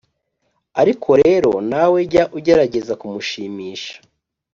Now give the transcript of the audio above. ariko rero nawe jya ugerageza kumushimisha.